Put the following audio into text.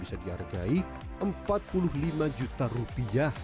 bisa dihargai rp empat puluh lima